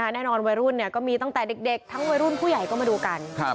วัยรุ่นก็มีตั้งแต่เด็กทั้งวัยรุ่นผู้ใหญ่ก็มาดูกัน